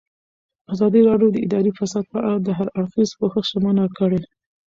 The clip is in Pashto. ازادي راډیو د اداري فساد په اړه د هر اړخیز پوښښ ژمنه کړې.